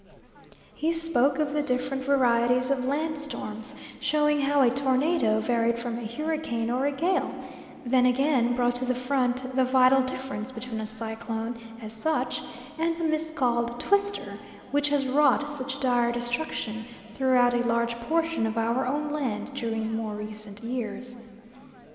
He spoke of the different varieties of land storms, showing how a tornado varied from a hurricane or a gale, then again brought to the front the vital difference between a cyclone, as such, and the miscalled "twister," which has wrought such dire destruction throughout a large portion of our own land during more recent years.